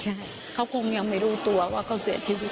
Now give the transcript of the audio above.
ใช่เขาคงยังไม่รู้ตัวว่าเขาเสียชีวิต